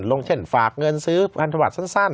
ลงเช่นฝากเงินซื้อพันธบัตรสั้น